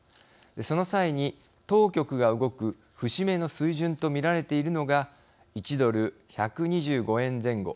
その際に当局が動く水準の節目の見られているのが１ドル１２５円前後。